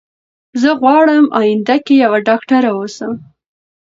زه غواړم اينده کي يوه ډاکتره اوسم